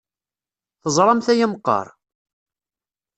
Teẓramt aya meqqar?